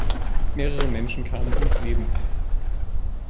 Mehrere Menschen kamen ums Leben.